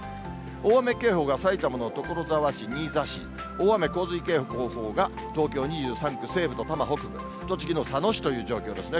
大雨警報が埼玉の所沢市、新座市、大雨洪水警報が東京２３区、西部と多摩北部、栃木の佐野市という状況ですね。